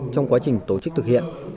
trong quá trình tổ chức thực hiện